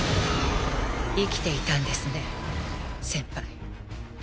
生きていたんですね先輩。